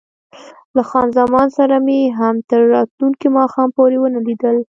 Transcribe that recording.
له خان زمان سره مې هم تر راتلونکي ماښام پورې ونه لیدل.